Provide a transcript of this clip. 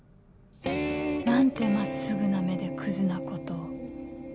なんて真っすぐな目でクズなことを